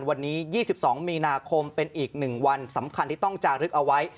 วันนี้๒๒มีนาคมเป็นอีก๑วันสำคัญที่ต้องจารึกเอาไว้